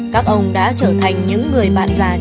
các ông đã trở thành những người bạn già